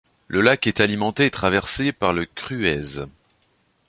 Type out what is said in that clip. Le lac est alimenté et traversé par la Crueize.